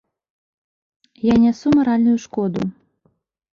Я нясу маральную шкоду.